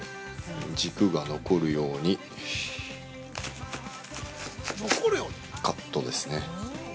◆軸が残るようにカットですね。